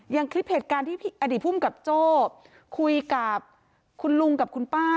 อย่างคลิปเหตุการณ์ที่อดีตภูมิกับโจ้คุยกับคุณลุงกับคุณป้า